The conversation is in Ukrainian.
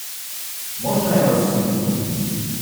можна я вас зупиню?